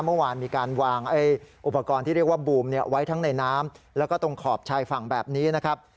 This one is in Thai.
เมื่อวานมีการวางอุปกรณ์ที่เรียกว่าบูมไว้ทั้งในน้ำแล้วก็ตรงขอบชายฝั่งแบบนี้นะครับ